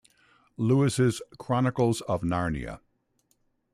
Lewis's "Chronicles of Narnia".